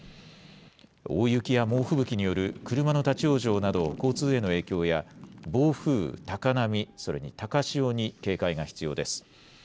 大雪や猛吹雪による車の立往生など交通への影響や暴風、高波、それに高潮に警戒が必要です。